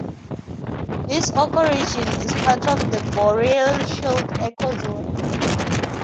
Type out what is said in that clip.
This ecoregion is part of the Boreal Shield ecozone.